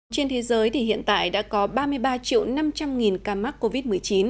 trên thế giới thì hiện tại đã có ba mươi ba triệu năm trăm linh nghìn ca mắc covid một mươi chín